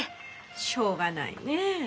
しょうがないねえ